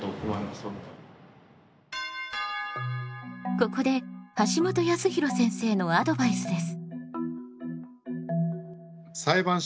ここで橋本康弘先生のアドバイスです。